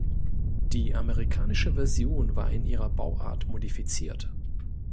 Die amerikanische Version war in ihrer Bauart modifiziert.